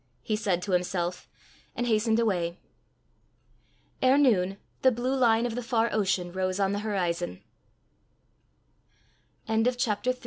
he said to himself, and hastened away. Ere noon the blue line of the far ocean rose on the horiz